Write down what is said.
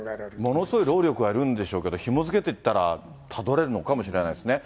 ものすごい労力はいるんでしょうけど、ひも付けてったら、たどれるのかもしれないですね。